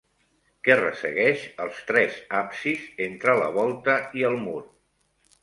Què ressegueix els tres absis entre la volta i el mur?